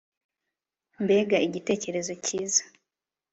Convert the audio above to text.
Mbega igitekerezo cyiza